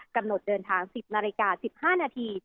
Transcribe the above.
กำหนดเดินทาง๑๐นาฬิกา๑๕นาที